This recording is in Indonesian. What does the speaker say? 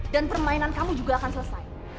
dan permainan kamu juga akan selesai